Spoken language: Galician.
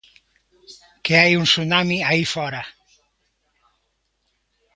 Que hai un tsunami aí fóra.